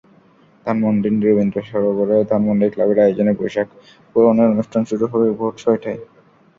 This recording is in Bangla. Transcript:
ধানমন্ডির রবীন্দ্রসরোবরে ধানমন্ডি ক্লাবের আয়োজনে বৈশাখ বরণের অনুষ্ঠান শুরু হবে ভোর ছয়টায়।